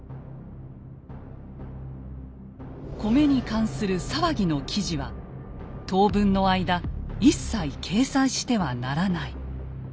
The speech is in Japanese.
「米に関する騒ぎの記事は当分の間一切掲載してはならない」。